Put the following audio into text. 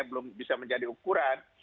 belum bisa menjadi ukuran